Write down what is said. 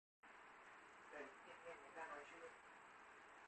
Đấy em nghe người ta nói chưa